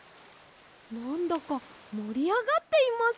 なんだかもりあがっています。